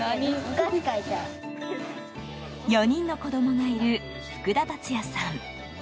４人の子供がいる福田達哉さん。